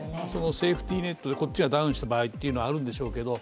セーフティーネットでこっちがダウンした場合というのがあるんでしょうけど。